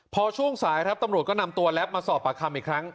พอช่วงสายครับตำรวจก็นำตัวแป๊บมาสอบปากคำอีกครั้ง